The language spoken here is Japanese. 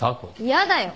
嫌だよ。